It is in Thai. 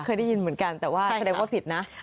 เคยได้ยินเหมือนกันแต่ว่าแสดงว่าผิดนะ